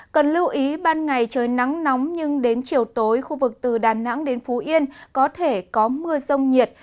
cần lưu ý ban ngày trời nắng nóng nhưng đến chiều tối khu vực từ đà nẵng đến phú yên có thể có mưa rông nhiệt